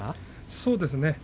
そうですね。